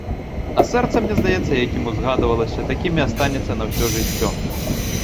А сэрца, мне здаецца, якім узгадавалася, такім і астанецца на ўсё жыццё.